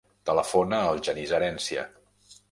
Telefona al Genís Herencia.